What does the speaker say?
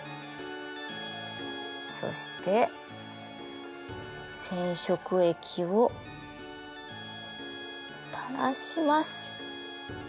そして染色液をたらします。